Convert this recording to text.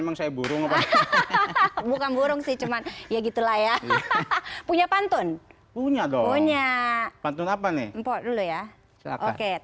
bang ajul memang paling oke